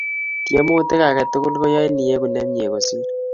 Tiemut age tugul ko yain iegu nemie kosir